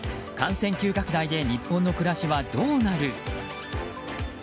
感染急拡大で日本の暮らしはどうなる？